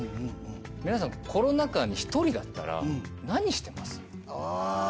皆さんコロナ禍に１人だったら何してます？